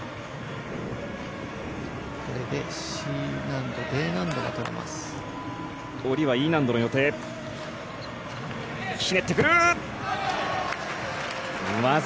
これでＣ難度Ａ難度が取れます。